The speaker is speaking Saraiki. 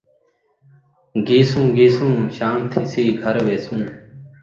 گیسوں گیسوں ، شام تھیسی گھر ویسوں